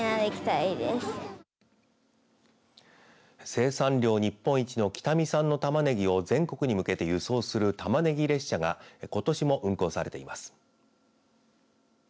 生産量日本一の北見産のたまねぎを全国に向けて輸送するたまねぎ列車がことしも運行されています。